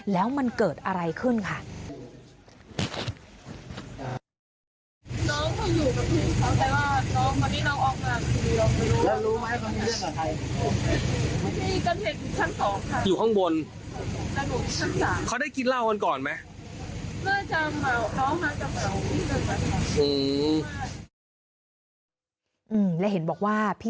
แล้วมันเกิดอะไรขึ้นค่ะ